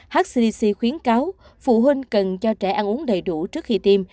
hcdc khuyến cáo phụ huynh cần cho trẻ ăn uống đầy đủ trước khi tiêm